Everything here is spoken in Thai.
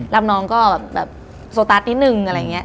รับน้องก็แบบโซตัสนิดนึงอะไรอย่างนี้